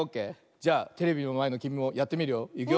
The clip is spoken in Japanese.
じゃあテレビのまえのきみもやってみるよ。